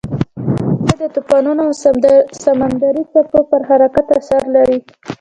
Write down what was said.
سپوږمۍ د طوفانونو او سمندري څپو پر حرکت اثر لري